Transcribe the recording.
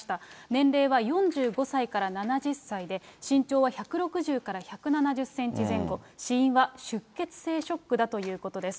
年齢は４５歳から７０歳で、身長は１６０から１７０センチ前後、死因は出血性ショックだということです。